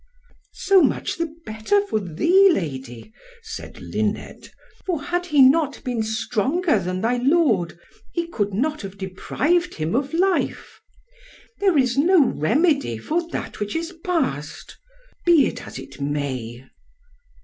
"So much the better for thee, Lady," said Luned, "for had he not been stronger than thy lord, he could not have deprived him of life. There is no remedy for that which is past, be it as it may."